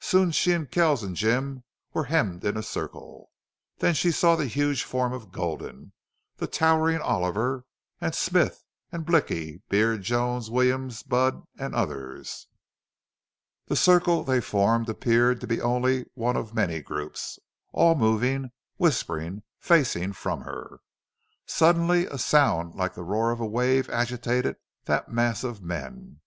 Soon she and Kells and Jim were hemmed in a circle. Then she saw the huge form of Gulden, the towering Oliver, and Smith and Blicky, Beard, Jones, Williams, Budd, and others. The circle they formed appeared to be only one of many groups, all moving, whispering, facing from her. Suddenly a sound like the roar of a wave agitated that mass of men.